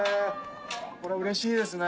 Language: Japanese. うれしいですね。